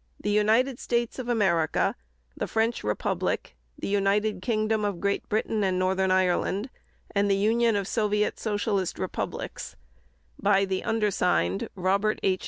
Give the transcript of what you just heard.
= The United States of America, the French Republic, the United Kingdom of Great Britain and Northern Ireland, and the Union of Soviet Socialist Republics by the undersigned, Robert H.